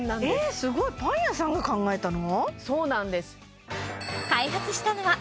すごいパン屋さんが考えたの？